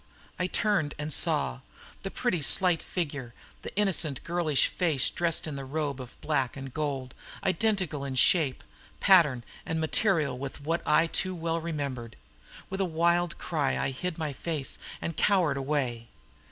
I turned and saw the pretty slight figure, the innocent girlish face dressed in the robe of black and gold, identical in shape, pattern and material with what I too well remembered. With a wild cry I hid my face and cowered away.